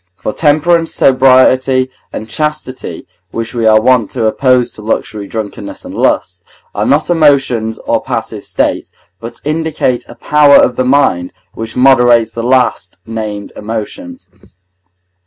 For temperance, sobriety, and chastity, which we are wont to oppose to luxury, drunkenness, and lust, are not emotions or passive states, but indicate a power of the mind which moderates the last named emotions.